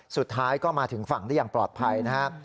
สุดท้ายก็มาถึงฝั่งได้อย่างปลอดภัยนะครับ